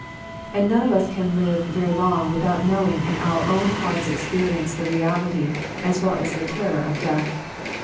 And none of us can live very long without knowing in our own heart's experience the reality, as well as the terror, of death.